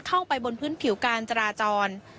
เข้าไปบนพื้นผิวการจราจร